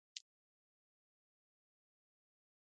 عام خلک باید په خپله ژبه پوه شي.